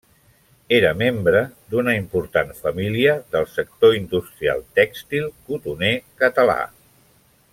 Era membre d'una important família del sector industrial tèxtil cotoner català.